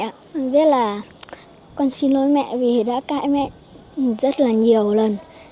con viết là con xin lỗi mẹ vì đã cãi mẹ rất là nhiều lần